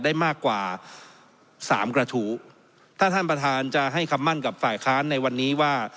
ได้มากกว่าสามกระทู้ถ้าท่านประธานจะให้คำมั่นกับฝ่ายค้านในวันนี้ว่า